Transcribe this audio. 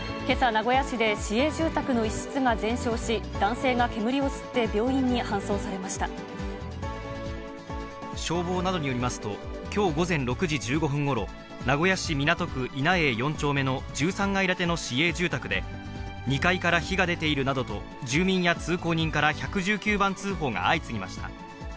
けさ、名古屋市で市営住宅の一室が全焼し、男性が煙を吸って、病院に搬消防などによりますと、きょう午前６時１５分ごろ、名古屋市港区稲永４丁目の１３階建ての市営住宅で、２階から火が出ているなどと、住民や通行人から１１９番通報が相次ぎました。